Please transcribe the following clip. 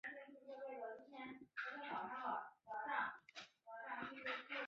厄瓜多尔是地震多发国家。